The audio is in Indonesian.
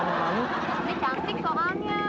ini cantik soalnya